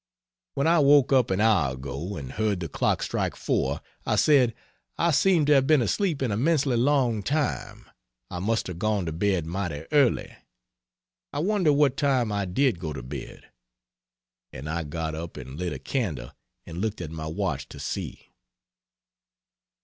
When I woke up an hour ago and heard the clock strike 4, I said "I seem to have been asleep an immensely long time; I must have gone to bed mighty early; I wonder what time I did go to bed." And I got up and lit a candle and looked at my watch to see.